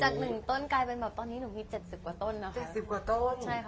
จาก๑ต้นกลายเป็นตอนนี้หนูมี๗๐กว่าต้นนะคะ